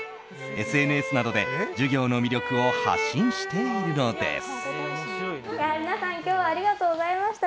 ＳＮＳなどで授業の魅力を発信しているのです。